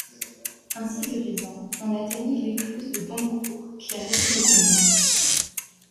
Ainsi devisant, on atteignit l'écluse de Doncourt, qui arrêtait le convoi.